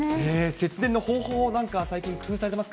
節電の方法、何か最近、工夫されていますか？